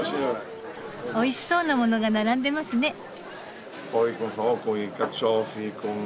おいしそうな物が並んでますね。